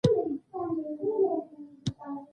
ښوونځی ماشومانو ته خپل مکلفیتونه ښيي.